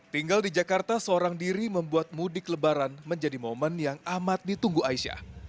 tinggal di jakarta seorang diri membuat mudik lebaran menjadi momen yang amat ditunggu aisyah